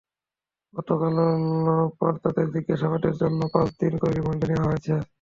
গতকাল রোববার তাঁদের জিজ্ঞাসাবাদের জন্য পাঁচ দিন করে রিমান্ডে নেওয়া হয়েছে।